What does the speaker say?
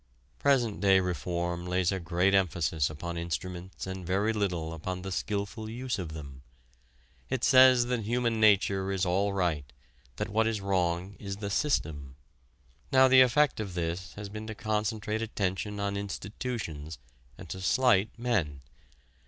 Present day reform lays a great emphasis upon instruments and very little on the skilful use of them. It says that human nature is all right, that what is wrong is the "system." Now the effect of this has been to concentrate attention on institutions and to slight men.